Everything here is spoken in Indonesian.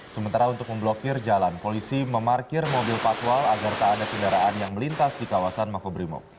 sementara untuk memblokir jalan polisi memarkir mobil patwal agar tak ada kendaraan yang melintas di kawasan makobrimob